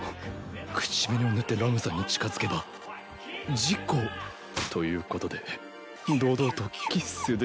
口紅を塗ってラムさんに近づけば事故ということで堂々とキッスできるではないか